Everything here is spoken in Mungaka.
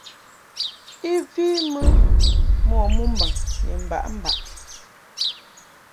I vi mɨ mo mɨmbaŋ ni mbaʼmbaʼ.